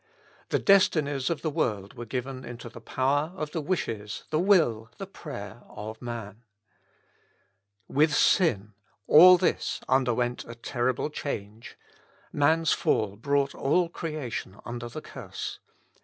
The destinies of the world were given into the power of the wishes, the will, the prayer of man. With sin all this underwent a terrible change: man's fall brought all creation under the curse.